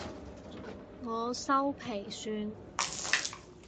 我修皮算